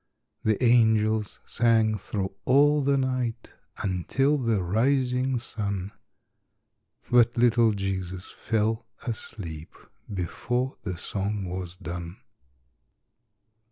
The angels sang thro' all the night Until the rising sun, But little Jesus fell asleep Before the song was done.